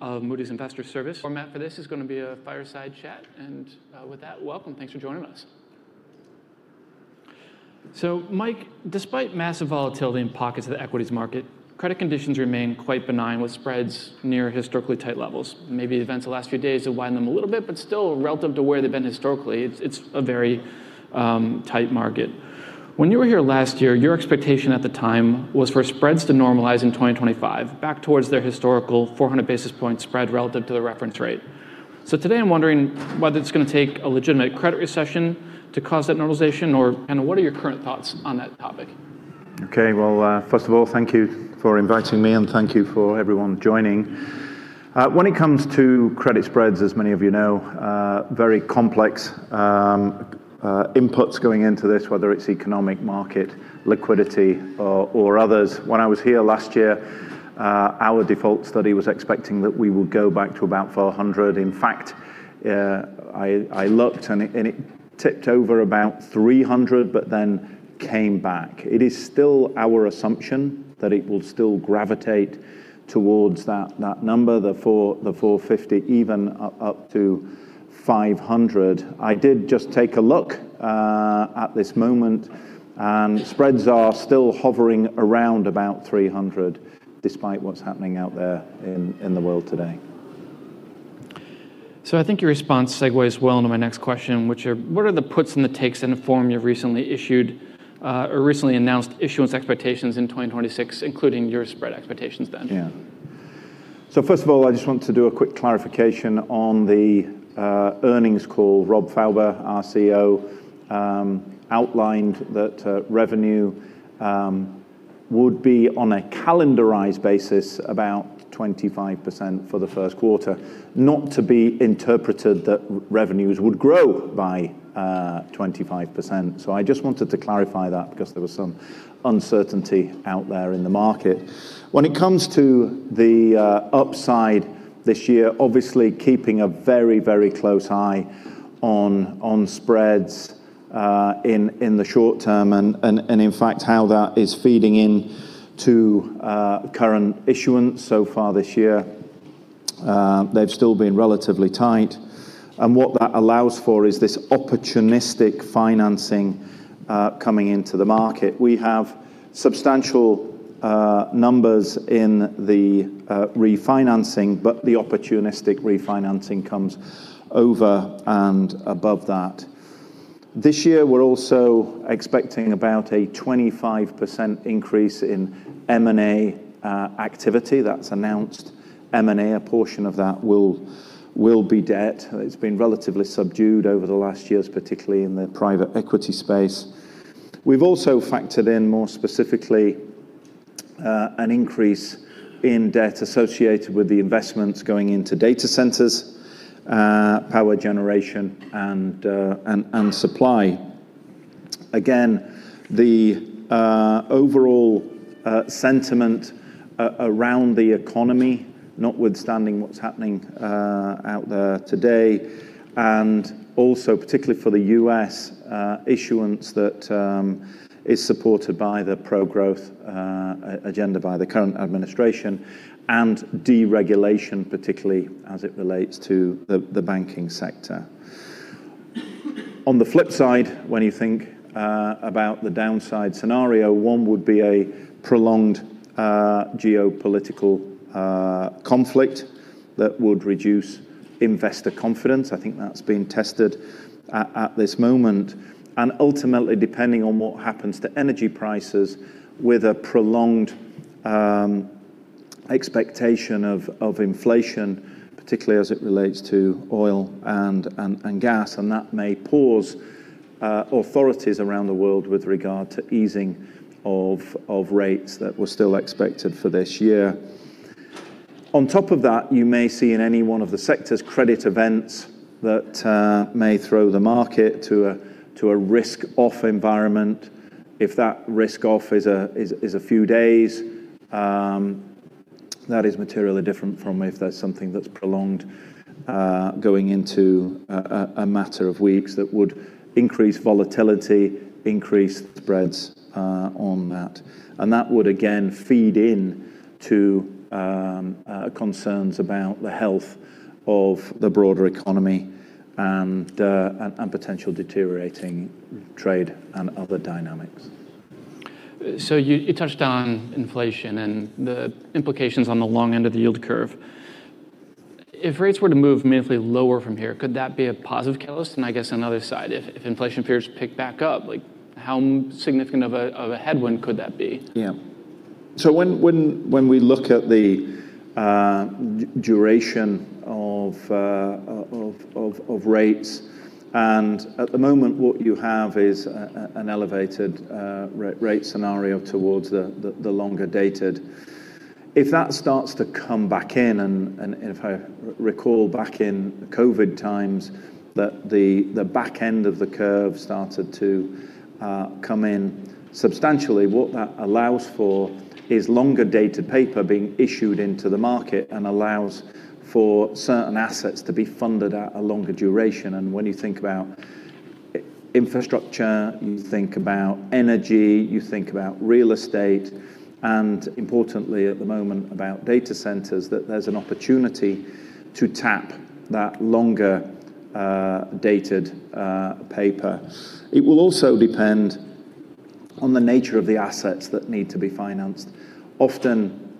of Moody's Investors Service. Format for this is gonna be a fireside chat. With that, welcome. Thanks for joining us. Mike, despite massive volatility in pockets of the equities market, credit conditions remain quite benign with spreads near historically tight levels. Maybe the events the last few days have widened them a little bit, but still, relative to where they've been historically, it's a very tight market. When you were here last year, your expectation at the time was for spreads to normalize in 2025 back towards their historical 400 basis point spread relative to the reference rate. Today I'm wondering whether it's gonna take a legitimate credit recession to cause that normalization and what are your current thoughts on that topic? Okay. Well, first of all, thank you for inviting me. Thank you for everyone joining. When it comes to credit spreads, as many of you know, very complex inputs going into this, whether it's economic market liquidity or others. When I was here last year, our default study was expecting that we would go back to about 400. In fact, I looked and it, and it tipped over about 300 but then came back. It is still our assumption that it will still gravitate towards that number, the four, the 450, even up to 500. I did just take a look at this moment. Spreads are still hovering around about 300 despite what's happening out there in the world today. I think your response segues well into my next question, which are what are the puts and the takes in the form you've recently issued, or recently announced issuance expectations in 2026, including your spread expectations then? First of all, I just want to do a quick clarification on the earnings call. Rob Fauber, our CEO, outlined that revenue would be on a calendarized basis about 25% for the first quarter. Not to be interpreted that revenues would grow by 25%. I just wanted to clarify that because there was some uncertainty out there in the market. When it comes to the upside this year, obviously keeping a very, very close eye on spreads in the short term and in fact, how that is feeding into current issuance. Far this year, they've still been relatively tight. What that allows for is this opportunistic financing coming into the market. We have substantial numbers in the refinancing, but the opportunistic refinancing comes over and above that. This year, we're also expecting about a 25% increase in M&A activity. That's announced M&A. A portion of that will be debt. It's been relatively subdued over the last years, particularly in the private equity space. We've also factored in more specifically, an increase in debt associated with the investments going into data centers, power generation, and supply. The overall sentiment around the economy, notwithstanding what's happening out there today, and also particularly for the U.S. issuance that is supported by the pro-growth agenda by the current administration and deregulation, particularly as it relates to the banking sector. On the flip side, when you think about the downside scenario, one would be a prolonged geopolitical conflict that would reduce investor confidence. I think that's been tested at this moment. Ultimately, depending on what happens to energy prices with a prolonged expectation of inflation, particularly as it relates to oil and gas, that may pause authorities around the world with regard to easing of rates that were still expected for this year. On top of that, you may see in any one of the sectors credit events that may throw the market to a risk-off environment. If that risk-off is a few days, that is materially different from if that's something that's prolonged going into a matter of weeks that would increase volatility, increase spreads on that. That would again feed in to concerns about the health of the broader economy and potential deteriorating trade and other dynamics. You, you touched on inflation and the implications on the long end of the yield curve. If rates were to move meaningfully lower from here, could that be a positive catalyst? I guess on the other side, if inflation appears to pick back up, like how significant of a, of a headwind could that be? Yeah. When we look at the duration of rates, and at the moment what you have is an elevated rate scenario towards the longer dated. If that starts to come back in, and if I recall back in COVID times that the back end of the curve started to come in substantially, what that allows for is longer dated paper being issued into the market and allows for certain assets to be funded at a longer duration. When you think about infrastructure, you think about energy, you think about real estate, and importantly at the moment about data centers, there's an opportunity to tap that longer dated paper. It will also depend on the nature of the assets that need to be financed. Often,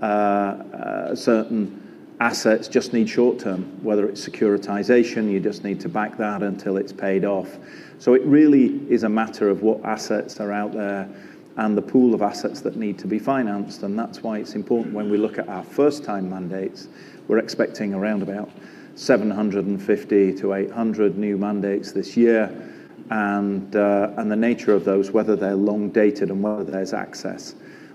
certain assets just need short-term, whether it's securitization, you just need to back that until it's paid off. It really is a matter of what assets are out there and the pool of assets that need to be financed. That's why it's important when we look at our first time mandates, we're expecting around about 750-800 new mandates this year, and the nature of those, whether they're long-dated and whether there's access.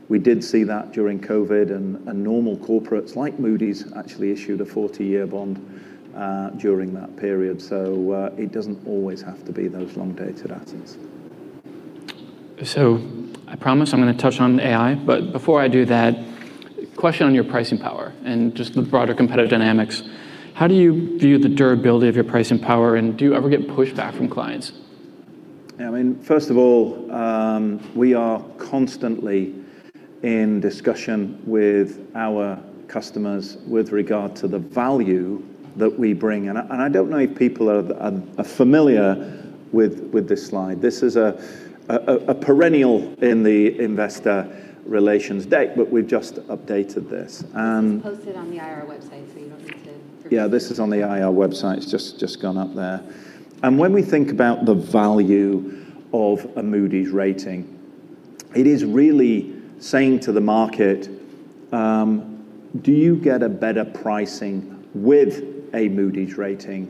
We did see that during COVID and normal corporates like Moody's actually issued a 40-year bond during that period. It doesn't always have to be those long-dated assets. I promise I'm gonna touch on AI, but before I do that, question on your pricing power and just the broader competitive dynamics. How do you view the durability of your pricing power, and do you ever get pushback from clients? I mean, first of all, we are constantly in discussion with our customers with regard to the value that we bring. I don't know if people are familiar with this slide. This is a, a perennial in the investor relations deck, but we've just updated this. It's posted on the IR website, so you don't need to. Yeah, this is on the IR website. It's just gone up there. When we think about the value of a Moody's rating, it is really saying to the market, do you get a better pricing with a Moody's rating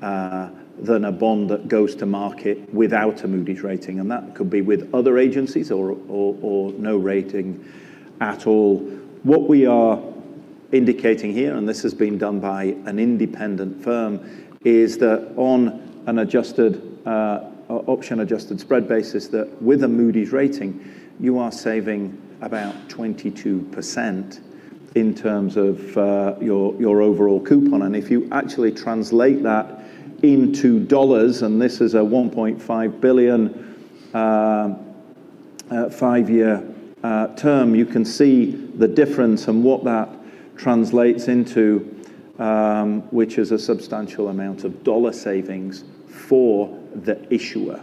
than a bond that goes to market without a Moody's rating? That could be with other agencies or no rating at all. What we are indicating here, this has been done by an independent firm, is that on an adjusted option-adjusted spread basis that with a Moody's rating you are saving about 22% in terms of your overall coupon. If you actually translate that into dollars, and this is a $1.5 billion, 5-year term, you can see the difference and what that translates into, which is a substantial amount of dollar savings for the issuer.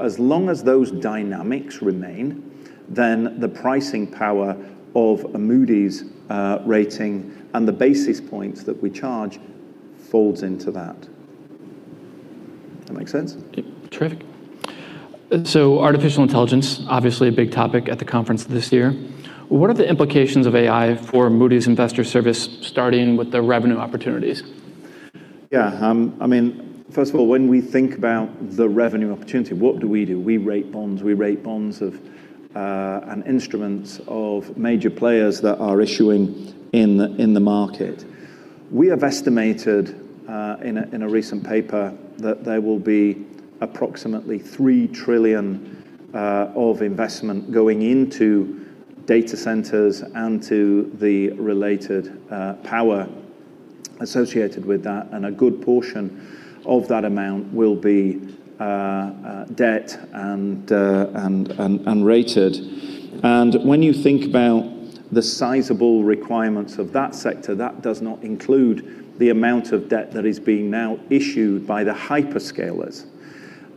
As long as those dynamics remain, then the pricing power of a Moody's rating and the basis points that we charge folds into that. That make sense? Yep. Terrific. Artificial intelligence, obviously a big topic at the conference this year. What are the implications of AI for Moody's Investors Service, starting with the revenue opportunities? Yeah. I mean, first of all, when we think about the revenue opportunity, what do we do? We rate bonds. We rate bonds of and instruments of major players that are issuing in the market. We have estimated in a recent paper that there will be approximately $3 trillion of investment going into data centers and to the related power associated with that. A good portion of that amount will be debt and unrated. When you think about the sizable requirements of that sector, that does not include the amount of debt that is being now issued by the hyperscalers.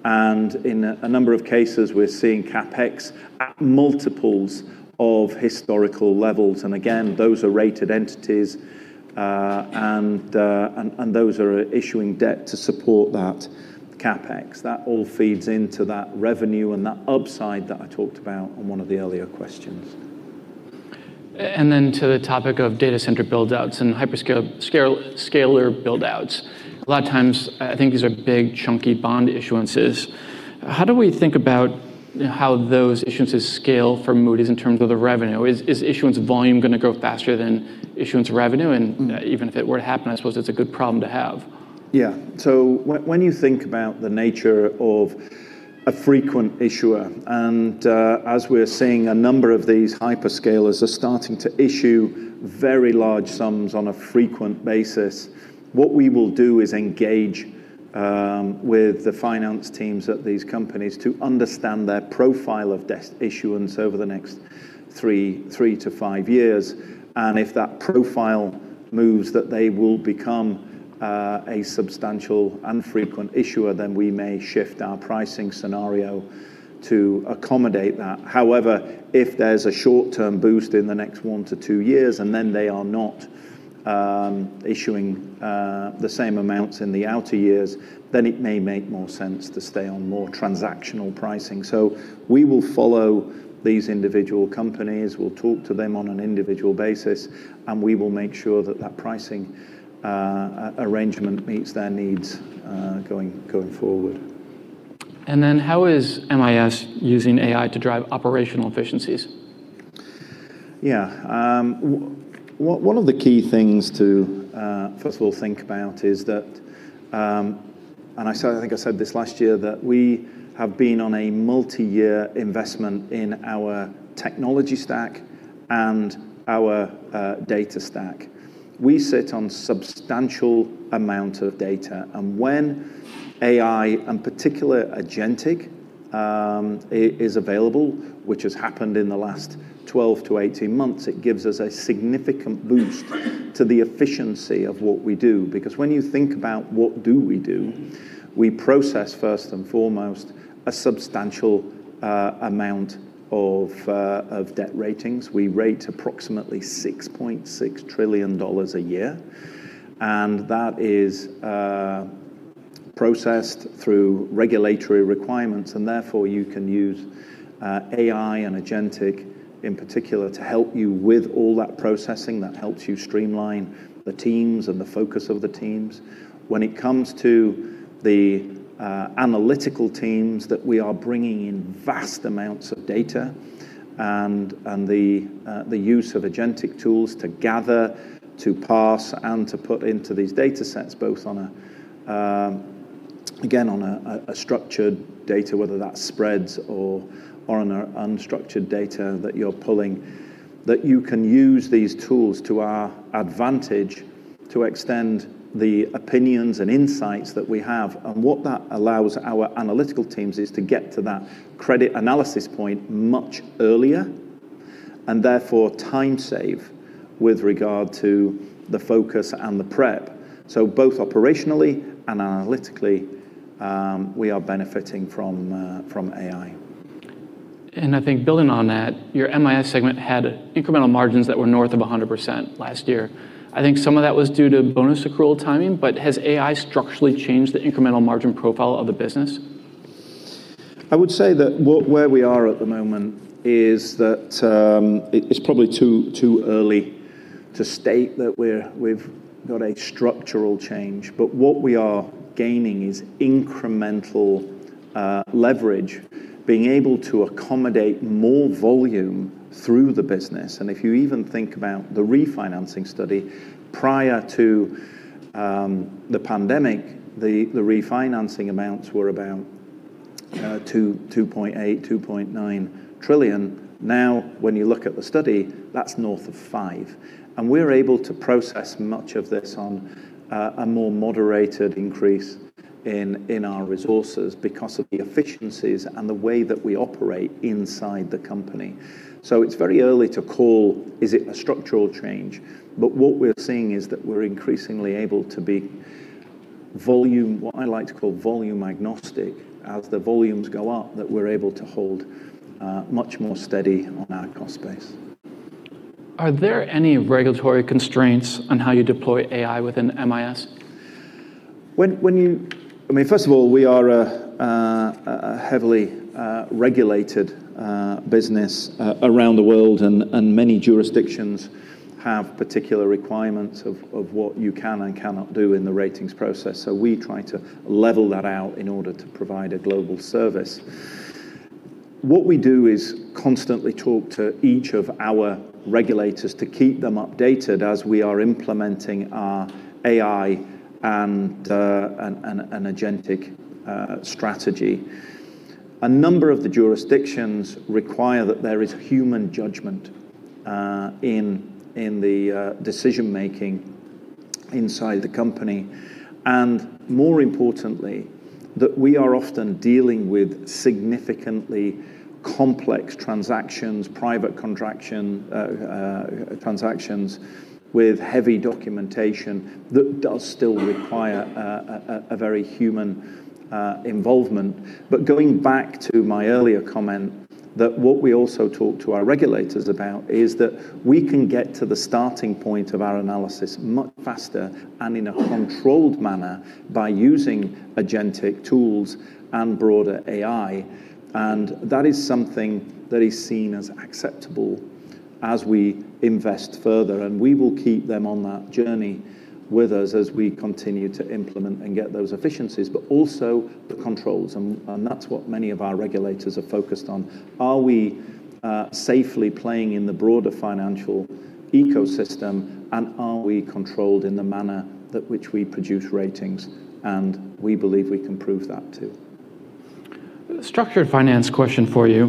In a number of cases, we're seeing CapEx at multiples of historical levels. Again, those are rated entities and those are issuing debt to support that CapEx. That all feeds into that revenue and that upside that I talked about on one of the earlier questions. To the topic of data center build-outs and hyperscaler build-outs. A lot of times, I think these are big chunky bond issuances. How do we think about how those issuances scale for Moody's in terms of the revenue? Is issuance volume gonna grow faster than issuance revenue? Even if it were to happen, I suppose it's a good problem to have. When you think about the nature of a frequent issuer, and as we're seeing a number of these hyperscalers are starting to issue very large sums on a frequent basis, what we will do is engage with the finance teams at these companies to understand their profile of issuance over the next three to five years. If that profile moves that they will become a substantial and frequent issuer, then we may shift our pricing scenario to accommodate that. However, if there's a short-term boost in the next one to two years, and then they are not issuing the same amounts in the outer years, then it may make more sense to stay on more transactional pricing. we will follow these individual companies, we'll talk to them on an individual basis, and we will make sure that that pricing arrangement meets their needs going forward. How is MIS using AI to drive operational efficiencies? Yeah. One of the key things to first of all think about is that, I said, I think I said this last year, that we have been on a multi-year investment in our technology stack and our data stack. We sit on substantial amount of data. When AI, in particular agentic, is available, which has happened in the last 12 - 18 months, it gives us a significant boost to the efficiency of what we do. When you think about what do we do? We process first and foremost a substantial amount of debt ratings. We rate approximately $6.6 trillion a year, and that is processed through regulatory requirements, and therefore you can use AI and agentic in particular to help you with all that processing that helps you streamline the teams and the focus of the teams. When it comes to the analytical teams that we are bringing in vast amounts of data and the use of agentic tools to gather, to parse, and to put into these datasets, both on a, again, on a structured data, whether that's spreads or on unstructured data that you're pulling, that you can use these tools to our advantage to extend the opinions and insights that we have. What that allows our analytical teams is to get to that credit analysis point much earlier and therefore time save with regard to the focus and the prep. Both operationally and analytically, we are benefiting from AI. I think building on that, your MIS segment had incremental margins that were north of 100% last year. I think some of that was due to bonus accrual timing, has AI structurally changed the incremental margin profile of the business? I would say that where we are at the moment is that it's probably too early to state that we've got a structural change. What we are gaining is incremental leverage, being able to accommodate more volume through the business. If you even think about the refinancing study prior to the pandemic, the refinancing amounts were about $2.8 trillion-$2.9 trillion. When you look at the study, that's north of $5 trillion. We're able to process much of this on a more moderated increase in our resources because of the efficiencies and the way that we operate inside the company. It's very early to call, is it a structural change? What we're seeing is that we're increasingly able to be volume, what I like to call volume agnostic. As the volumes go up, that we're able to hold much more steady on our cost base. Are there any regulatory constraints on how you deploy AI within MIS? When you, I mean, first of all, we are a heavily regulated business around the world and many jurisdictions have particular requirements of what you can and cannot do in the ratings process. We try to level that out in order to provide a global service. What we do is constantly talk to each of our regulators to keep them updated as we are implementing our AI and an agentic strategy. A number of the jurisdictions require that there is human judgment in the decision-making inside the company, and more importantly, that we are often dealing with significantly complex transactions, private contract transactions with heavy documentation that does still require a very human involvement. Going back to my earlier comment that what we also talk to our regulators about is that we can get to the starting point of our analysis much faster and in a controlled manner by using agentic tools and broader AI. That is something that is seen as acceptable as we invest further, and we will keep them on that journey with us as we continue to implement and get those efficiencies, but also the controls. That's what many of our regulators are focused on. Are we safely playing in the broader financial ecosystem and are we controlled in the manner that which we produce ratings? We believe we can prove that too. Structured finance question for you.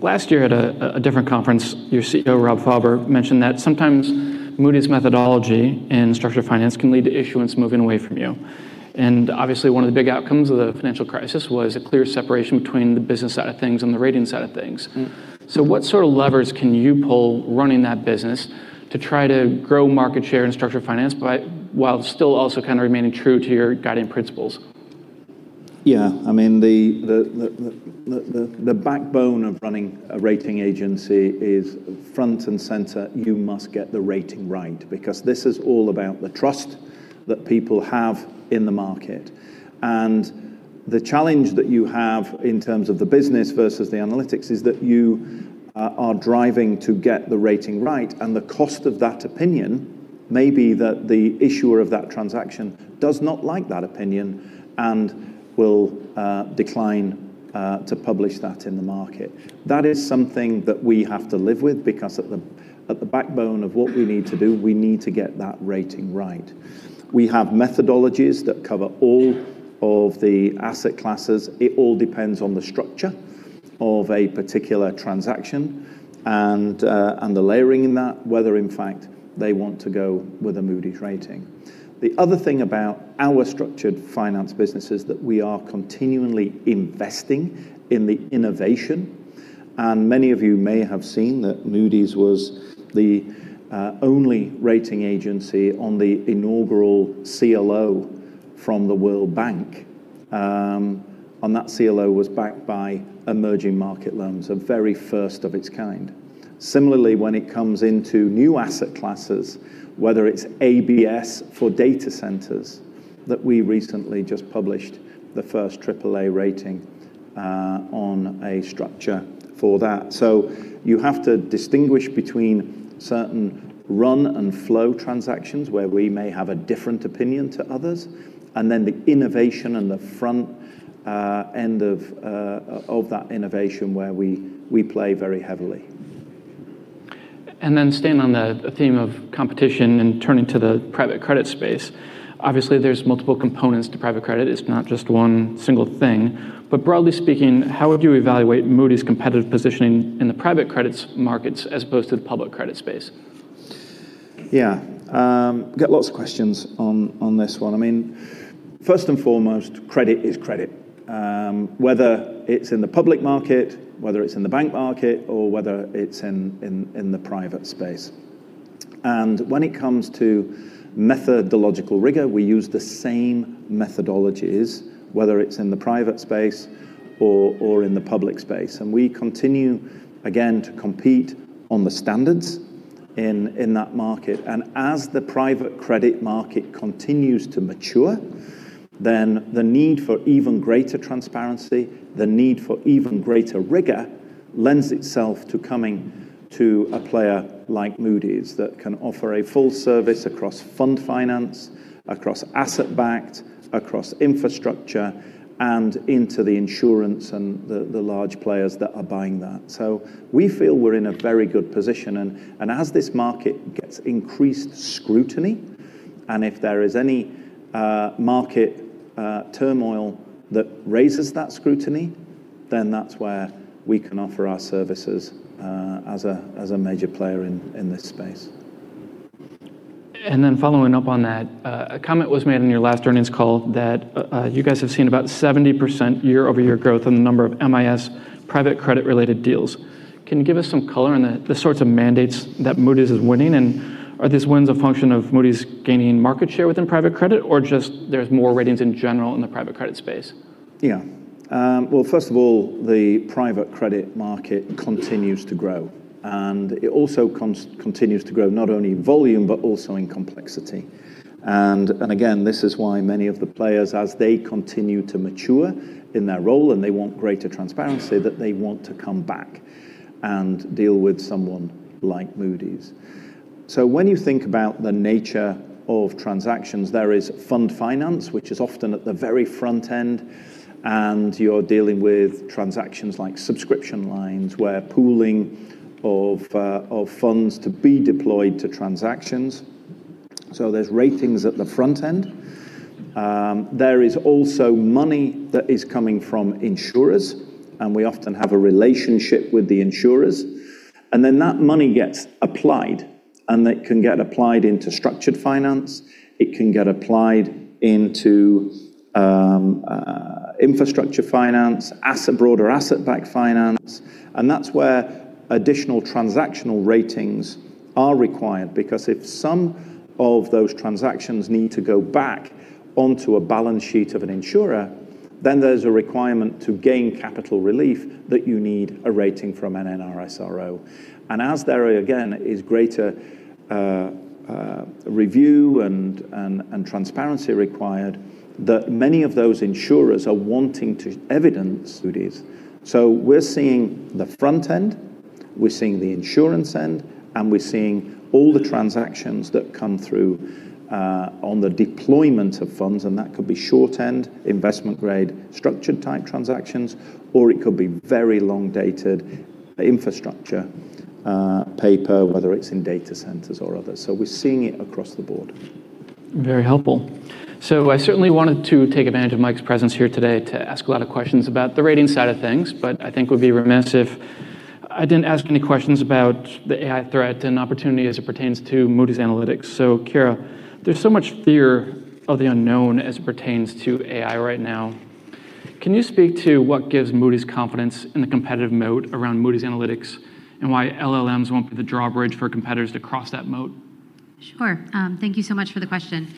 last year at a different conference, your CEO, Rob Fauber, mentioned that sometimes Moody's methodology in structured finance can lead to issuance moving away from you. Obviously, one of the big outcomes of the financial crisis was a clear separation between the business side of things and the rating side of things. Mm-hmm. What sort of levers can you pull running that business to try to grow market share in structured finance while still also kind of remaining true to your guiding principles? Yeah. I mean, the backbone of running a rating agency is front and center you must get the rating right, because this is all about the trust that people have in the market. The challenge that you have in terms of the business versus the analytics is that you are driving to get the rating right and the cost of that opinion may be that the issuer of that transaction does not like that opinion and will decline to publish that in the market. That is something that we have to live with because at the backbone of what we need to do, we need to get that rating right. We have methodologies that cover all of the asset classes. It all depends on the structure of a particular transaction and the layering in that, whether in fact they want to go with a Moody's rating. The other thing about our structured finance business is that we are continually investing in the innovation. Many of you may have seen that Moody's was the only rating agency on the inaugural CLO from the World Bank, and that CLO was backed by emerging market loans, a very first of its kind. Similarly, when it comes into new asset classes, whether it's ABS for data centers that we recently just published the first Aaa rating on a structure for that. You have to distinguish between certain run and flow transactions where we may have a different opinion to others, and then the innovation and the front, end of that innovation where we play very heavily. Staying on the theme of competition and turning to the private credit space. Obviously, there's multiple components to private credit. It's not just one single thing. Broadly speaking, how would you evaluate Moody's competitive positioning in the private credits markets as opposed to the public credit space? Yeah. Get lots of questions on this one. I mean, first and foremost, credit is credit, whether it's in the public market, whether it's in the bank market, or whether it's in the private space. When it comes to methodological rigor, we use the same methodologies, whether it's in the private space or in the public space. We continue, again, to compete on the standards in that market. As the private credit market continues to mature, then the need for even greater transparency, the need for even greater rigor lends itself to coming to a player like Moody's that can offer a full service across fund finance, across asset-backed, across infrastructure, and into the insurance and the large players that are buying that. We feel we're in a very good position. As this market gets increased scrutiny, and if there is any, market, turmoil that raises that scrutiny, then that's where we can offer our services, as a major player in this space. Following up on that, a comment was made in your last earnings call that, you guys have seen about 70% year-over-year growth in the number of MIS private credit-related deals. Can you give us some color on the sorts of mandates that Moody's is winning? Are these wins a function of Moody's gaining market share within private credit, or just there's more ratings in general in the private credit space? Yeah. Well, first of all, the private credit market continues to grow, it also continues to grow not only in volume, but also in complexity. Again, this is why many of the players, as they continue to mature in their role and they want greater transparency, that they want to come back and deal with someone like Moody's. When you think about the nature of transactions, there is fund finance, which is often at the very front end, and you're dealing with transactions like subscription lines where pooling of funds to be deployed to transactions. There's ratings at the front end. There is also money that is coming from insurers, we often have a relationship with the insurers. That money gets applied, and it can get applied into structured finance, it can get applied into infrastructure finance, broader asset-backed finance. That's where additional transactional ratings are required because if some of those transactions need to go back onto a balance sheet of an insurer, then there's a requirement to gain capital relief that you need a rating from an NRSRO. As there, again, is greater review and transparency required that many of those insurers are wanting to evidence Moody's. We're seeing the front end, we're seeing the insurance end, and we're seeing all the transactions that come through on the deployment of funds, and that could be short end, investment grade, structured type transactions, or it could be very long-dated infrastructure paper, whether it's in data centers or others. We're seeing it across the board. Very helpful. I certainly wanted to take advantage of Mike's presence here today to ask a lot of questions about the ratings side of things. I think it would be remiss if I didn't ask any questions about the AI threat and opportunity as it pertains to Moody's Analytics. Kira, there's so much fear of the unknown as it pertains to AI right now. Can you speak to what gives Moody's confidence in the competitive moat around Moody's Analytics and why LLMs won't be the drawbridge for competitors to cross that moat? Sure. Thank you so much for the question.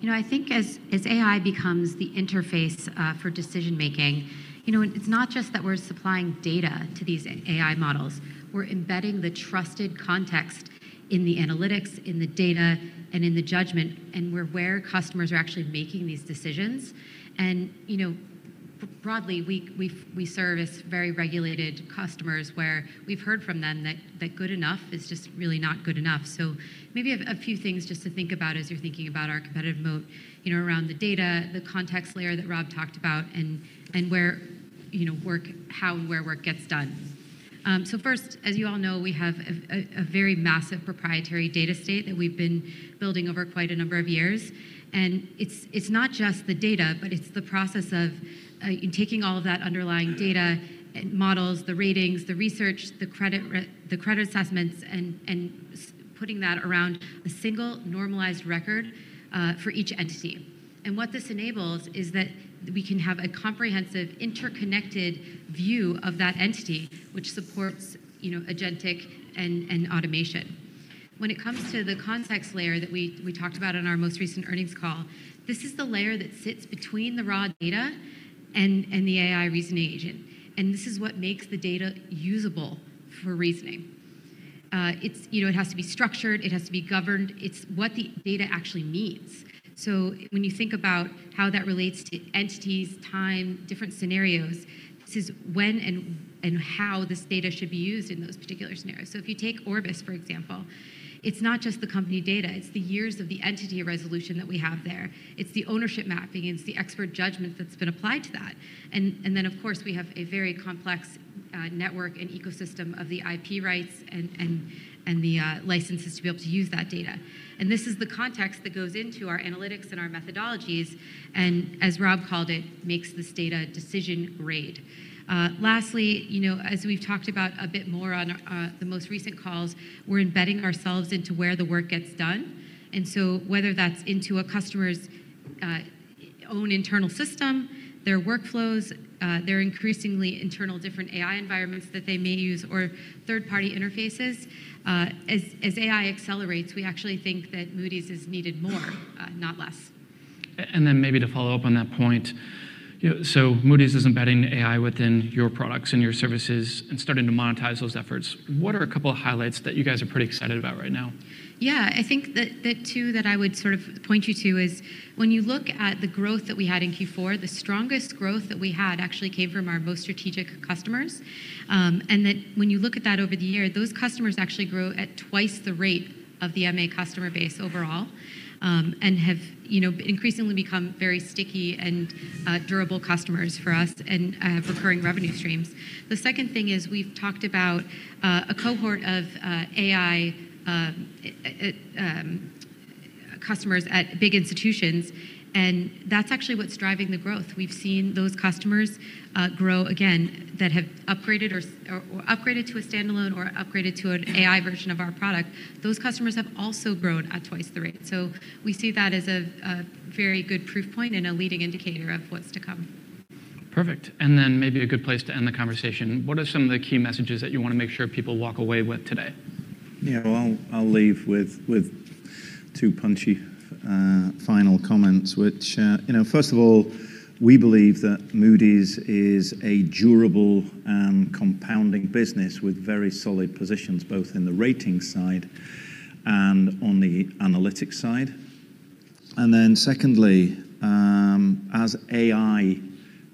You know, I think as AI becomes the interface for decision-making, you know, it's not just that we're supplying data to these AI models. We're embedding the trusted context in the analytics, in the data, and in the judgment, and we're where customers are actually making these decisions. You know, broadly, we service very regulated customers where we've heard from them that good enough is just really not good enough. Maybe a few things just to think about as you're thinking about our competitive moat, you know, around the data, the context layer that Rob talked about and where, you know, how and where work gets done. First, as you all know, we have a very massive proprietary data estate that we've been building over quite a number of years. It's not just the data, but it's the process of taking all of that underlying data and models, the ratings, the research, the credit assessments, and putting that around a single normalized record for each entity. What this enables is that we can have a comprehensive, interconnected view of that entity which supports, you know, agentic and automation. When it comes to the context layer that we talked about on our most recent earnings call, this is the layer that sits between the raw data and the AI reasoning agent. This is what makes the data usable for reasoning. It's, you know, it has to be structured. It has to be governed. It's what the data actually means. When you think about how that relates to entities, time, different scenarios, this is when and how this data should be used in those particular scenarios. If you take Orbis, for example, it's not just the company data. It's the years of the entity resolution that we have there. It's the ownership mapping, and it's the expert judgment that's been applied to that. Then, of course, we have a very complex network and ecosystem of the IP rights and the licenses to be able to use that data. This is the context that goes into our analytics and our methodologies, and as Rob called it, makes this data decision-grade. Lastly, you know, as we've talked about a bit more on the most recent calls, we're embedding ourselves into where the work gets done. Whether that's into a customer's own internal system, their workflows, their increasingly internal different AI environments that they may use or third-party interfaces, as AI accelerates, we actually think that Moody's is needed more, not less. Maybe to follow up on that point. You know, Moody's is embedding AI within your products and your services and starting to monetize those efforts. What are a couple of highlights that you guys are pretty excited about right now? Yeah. I think that two that I would sort of point you to is when you look at the growth that we had in Q4, the strongest growth that we had actually came from our most strategic customers. When you look at that over the year, those customers actually grew at twice the rate of the MA customer base overall, and have, you know, increasingly become very sticky and durable customers for us and recurring revenue streams. The second thing is we've talked about a cohort of AI customers at big institutions, and that's actually what's driving the growth. We've seen those customers grow again that have upgraded or upgraded to a standalone or upgraded to an AI version of our product. Those customers have also grown at twice the rate. We see that as a very good proof point and a leading indicator of what's to come. Perfect. Then maybe a good place to end the conversation. What are some of the key messages that you wanna make sure people walk away with today? Yeah. Well, I'll leave with two punchy, final comments, which, you know, first of all, we believe that Moody's is a durable and compounding business with very solid positions, both in the ratings side and on the analytics side. Secondly, as AI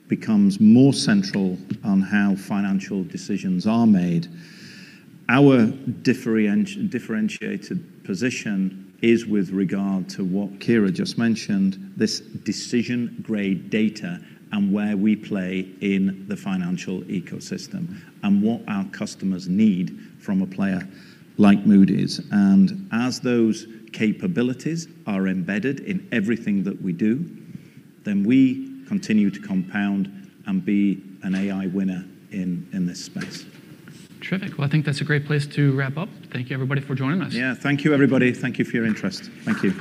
becomes more central on how financial decisions are made, our differentiated position is with regard to what Kira just mentioned, this decision-grade data and where we play in the financial ecosystem and what our customers need from a player like Moody's. As those capabilities are embedded in everything that we do, then we continue to compound and be an AI winner in this space. Terrific. Well, I think that's a great place to wrap up. Thank you, everybody, for joining us. Yeah. Thank you, everybody. Thank you for your interest. Thank you.